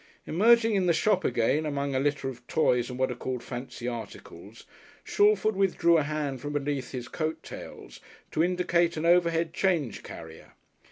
Emerging in the shop again among a litter of toys and what are called "fancy articles," Shalford withdrew a hand from beneath his coat tails to indicate an overhead change carrier.